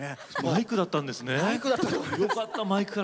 マイクだったんですね。